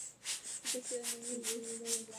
わたしはねむいです。